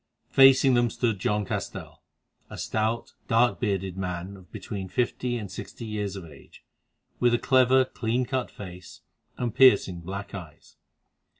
Facing them stood John Castell, a stout, dark bearded man of between fifty and sixty years of age, with a clever, clean cut face and piercing black eyes.